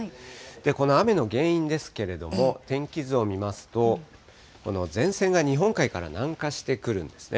この雨の原因ですけれども、天気図を見ますと、前線が日本海から南下してくるんですね。